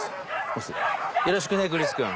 よろしくねクリスくん。